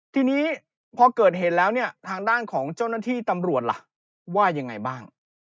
ทีนี้พอเกิดเห็นแล้วเนี่ยทางด้านของเจ้าหน้าที่ตำรวจล่ะว่ายังไงบ้าง